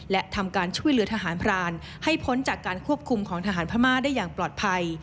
และทำการช่วยเหลือทหารพรานให้พ้นจากการควบคุมของทหารพม่าได้อย่างปลอดภัย